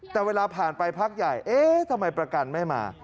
แต่เวลาผ่านไปพักใหญ่เอ๊ะทำไมประกันไม่มา